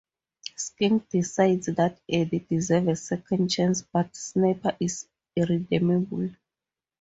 Skink decides that Edie deserves a second chance but Snapper is irredeemable.